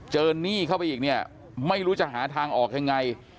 เจอหนี้เข้าไปอีกไม่รู้จะหาทางออกยังไง